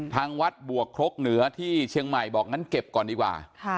ทางวัดบวกครกเหนือที่เชียงใหม่บอกงั้นเก็บก่อนดีกว่า